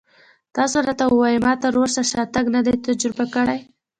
تاسې راته ووایئ ما تراوسه شاتګ نه دی تجربه کړی.